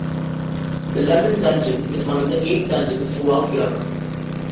The London Dungeon is one of eight Dungeons throughout Europe.